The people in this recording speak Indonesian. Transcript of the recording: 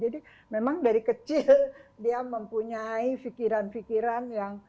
jadi memang dari kecil dia mempunyai pikiran pikiran yang